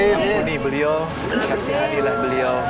mempunyi beliau terpaksa hadirlah beliau